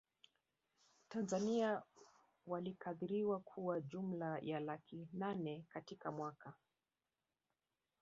Tanzania walikadiriwa kuwa jumla ya laki nane katika mwaka